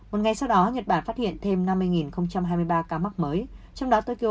một ngày sau đó nhật bản phát hiện thêm năm mươi hai mươi ba ca mắc mới trong đó tokyo có chín bốn trăm sáu mươi tám